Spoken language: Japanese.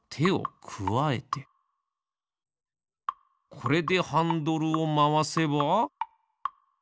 これでハンドルをまわせば。